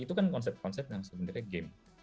itu kan konsep konsep yang sebenarnya game